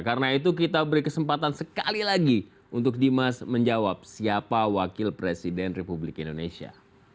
karena itu kita beri kesempatan sekali lagi untuk dimas menjawab siapa wakil presiden republik indonesia